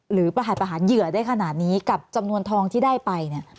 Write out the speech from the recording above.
ประหัสประหารเหยื่อได้ขนาดนี้กับจำนวนทองที่ได้ไปเนี่ย